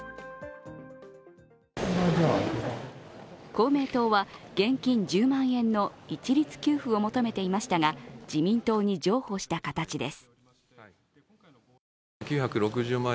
公明党は現金１０万円の一律給付を求めていましたが自民党に譲歩した形です。